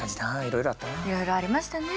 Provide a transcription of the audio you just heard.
いろいろありましたね。